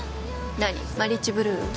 何マリッジブルー？